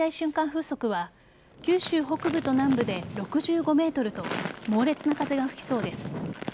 風速は九州北部と南部で６５メートルと猛烈な風が吹きそうです。